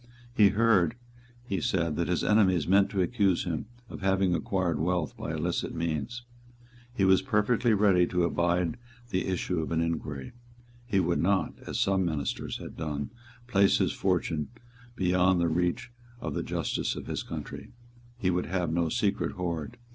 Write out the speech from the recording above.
He heard, he said, that his enemies meant to accuse him of having acquired wealth by illicit means. He was perfectly ready to abide the issue of an inquiry. He would not, as some ministers had done, place his fortune beyond the reach of the justice of his country. He would have no secret hoard.